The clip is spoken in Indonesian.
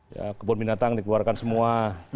ya kebun binatang dikeluarkan semua